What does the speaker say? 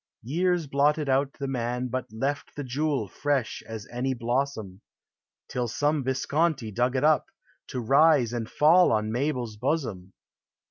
Years blotted out the man, hut left The jewel fresh as any hlossoin, 384 POEMS OF SENTIMENT. Till some Visconti dug it up— To rise and tall on .Mabel's bosom!